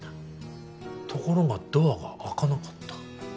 ところがドアが開かなかった。